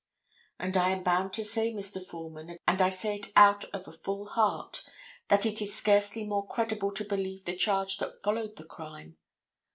And I am bound to say, Mr. Foreman, and I say it out of a full heart, that it is scarcely more credible to believe the charge that followed the crime.